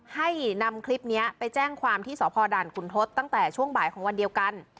ให้นำคลิปนี้ไปแจ้งความที่สพด่านขุนทศตั้งแต่ช่วงบ่ายของวันเดียวกัน